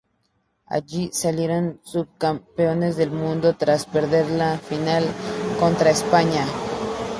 Allí salieron Subcampeones del Mundo, tras perder la final contra España.